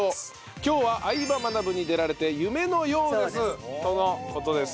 今日は『相葉マナブ』に出られて夢のようですとの事です。